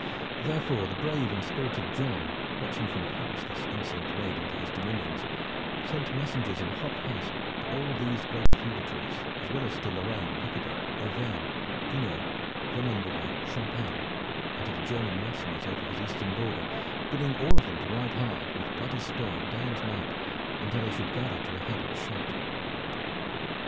Therefore the brave and spirited John, watching from Paris this insolent raid into his dominions, sent messengers in hot haste to all these great feudatories as well as to Lorraine, Picardy, Auvergne, Hainault, Vermandois, Champagne, and to the German mercenaries over his eastern border, bidding all of them to ride hard, with bloody spur, day and night, until they should gather to a head at Chartres.